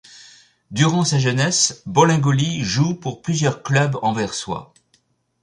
Durant sa jeunesse, Bolingoli joue pour plusieurs clubs anversois.